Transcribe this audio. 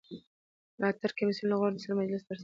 د ملاتړ کمېسیون له غړو سره مجلس ترسره سو.